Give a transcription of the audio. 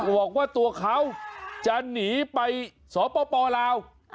บอกว่าตัวเขาจะหนีไปสปลาว